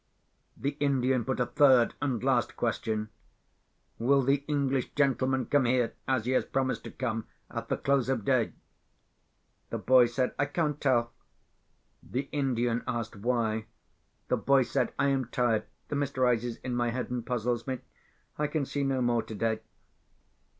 The Indian put a third and last question: "Will the English gentleman come here, as he has promised to come, at the close of day?" The boy said, "I can't tell." The Indian asked why. The boy said, "I am tired. The mist rises in my head, and puzzles me. I can see no more today."